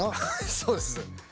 そうです